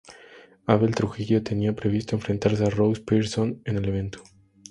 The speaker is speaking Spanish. Abel Trujillo tenía previsto enfrentarse a Ross Pearson en el evento.